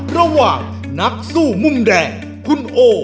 ระหว่างนักสู้มุมแดงคุณโอ